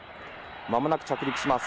まもなく着陸します。